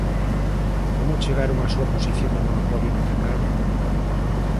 Como chegaron á súa posición de monopolio no mercado?